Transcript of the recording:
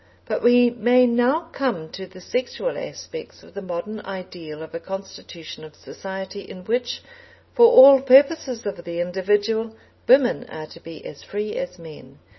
But we may now come to the sexual aspects of the modern ideal of a constitution of society in which, for all purposes of the individual, women are to be as free as men.